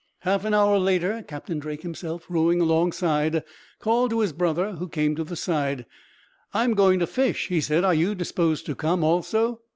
Half an hour later Captain Drake himself, rowing alongside, called to his brother, who came to the side. "I am going to fish," he said; "are you disposed to come, also?"